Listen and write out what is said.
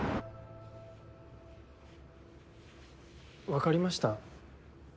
わかりました？